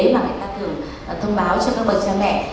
mà người ta thường thông báo cho các bậc cha mẹ